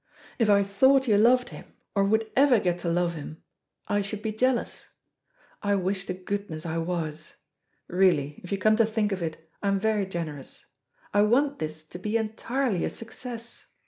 If I thought you loved him, or would ever get to love him, I should be jealous. I wish to goodness I was. Really, if you come to think of it, I am very generous. I want this to be entirely a success.